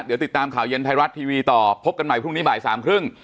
เดี๋ยวติดตามข่าวเย็นไทยรัฐทีวีต่อพบกันใหม่พรุ่งนี้บ่ายสามครึ่ง